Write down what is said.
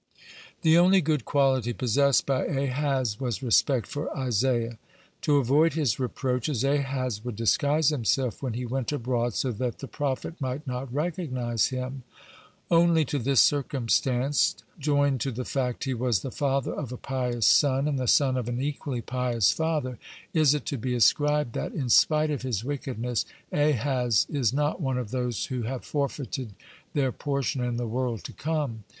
(41) The only good quality possessed by Ahaz was respect for Isaiah. (42) To avoid his reproaches, Ahaz would disguise himself when he went abroad, so that the prophet might not recognize him. (43) Only to this circumstance, joined to the fact he was the father of a pious son and the son of an equally pious father, is it to be ascribed that, in spite of his wickedness, Ahaz is not one of those who have forfeited their portion in the world to come.